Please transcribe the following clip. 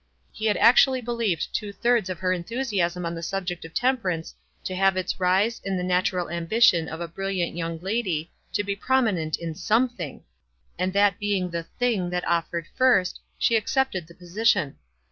He had actually believed two thirds of her enthusiasm on the subject of temperance to have its rise in the natural ambition of a brilliant young lady to be prominent in something, and that being the "thing" that offered first, she accepted the position.